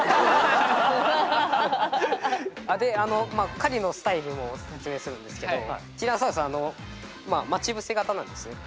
狩りのスタイルも説明するんですけどティラノサウルスは待ち伏せ型なんですね。